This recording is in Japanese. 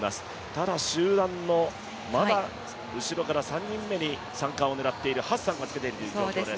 ただ集団の、まだ後ろから３人目に３冠を狙っているハッサンがつけているという状況です。